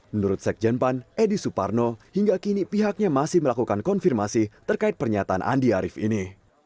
menurut sekjen pan edi suparno hingga kini pihaknya masih melakukan konfirmasi terkait pernyataan andi arief ini